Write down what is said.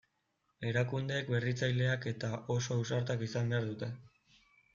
Erakundeek berritzaileak eta oso ausartak izan behar dute.